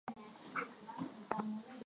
mwaka elfu moja mia tisa sitini na mbili